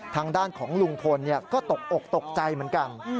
ทางด้านของลุงพลก็ตกอกตกใจเหมือนกัน